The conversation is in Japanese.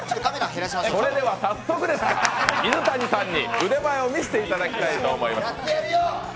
それでは早速ですが水谷さんに腕前を見せていただきたいと思います。